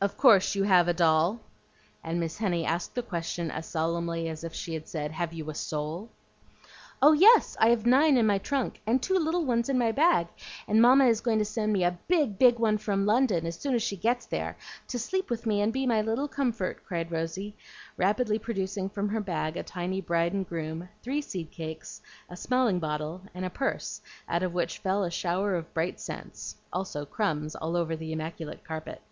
Of course you have a doll?" and Miss Henny asked the question as solemnly as if she had said, "Have you a soul?" "Oh yes, I have nine in my trunk, and two little ones in my bag, and Mamma is going to send me a big, big one from London, as soon as she gets there, to sleep with me and be my little comfort," cried Rosy, rapidly producing from her bag a tiny bride and groom, three seed cakes, a smelling bottle, and a purse out of which fell a shower of bright cents, also crumbs all over the immaculate carpet.